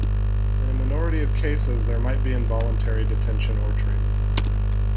In a minority of cases there might be involuntary detention or treatment.